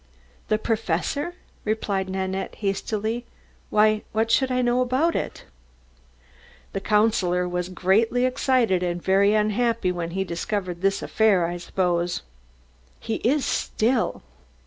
"The Professor?" replied Nanette hastily. "Why, what should I know about it?" "The Councillor was greatly excited and very unhappy when he discovered this affair, I suppose?" "He is still."